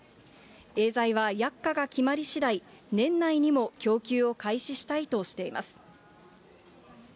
エーザイは薬価が決まりしだい、年内にも供給を開始したいとしています。